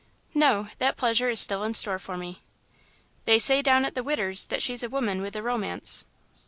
"No that pleasure is still in store for me." "They say down at the 'Widder's' that she's a woman with a romance."